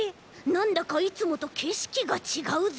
なんだかいつもとけしきがちがうぞ。